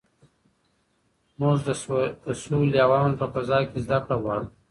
موږ د سولې او امن په فضا کې زده کړه غواړو.